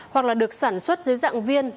hoặc là được sản xuất dưới dạng viên